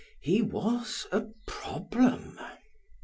He was a problem.